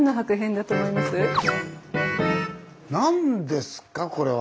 何ですかこれは。